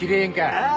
ああ。